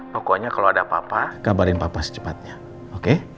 pokoknya kalo ada papa kabarin papa secepatnya oke